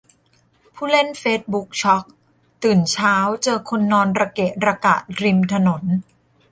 ผู้เล่นเฟซบุ๊กช็อก ตื่นเช้าเจอคนนอนระเกะระกะริมถนน